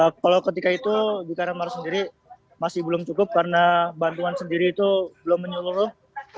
kalau ketika itu di karamar sendiri masih belum cukup karena bantuan sendiri itu belum menyeluruh